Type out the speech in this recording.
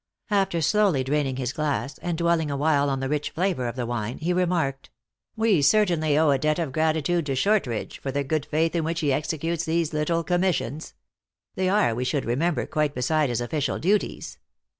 After slowly draining his glass, and dwelling awhile on the rich flavor of the wine, he re marked : "We certainly owe a debt of gratitude to Shortridge, for the good faith in which he executes these little commissions. They are, we should remember, quite beside his official duties.